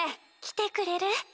来てくれる？